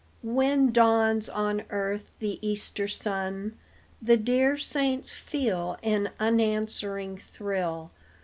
When dawns on earth the Easter sun The dear saints feel an answering thrill.